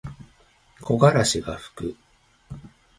木枯らしがふく。